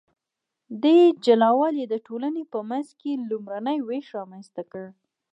دې جلا والي د ټولنې په منځ کې لومړنی ویش رامنځته کړ.